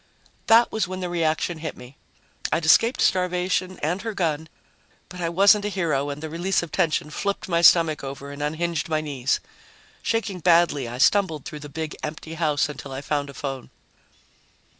That was when the reaction hit me. I'd escaped starvation and her gun, but I wasn't a hero and the release of tension flipped my stomach over and unhinged my knees. Shaking badly, I stumbled through the big, empty house until I found a phone.